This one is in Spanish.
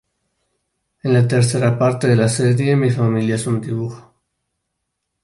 Es la tercera parte de la serie "Mi familia es un dibujo".